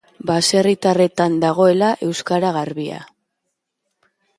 Baserritarretan dagoela euskara garbia.